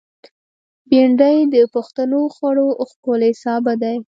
بېنډۍ د پښتنو خوړو ښکلی سابه دی